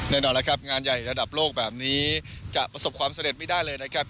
แน่นอนแล้วครับงานใหญ่ระดับโลกแบบนี้จะประสบความสำเร็จไม่ได้เลยนะครับ